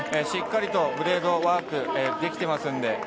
しっかりとブレードワークができています。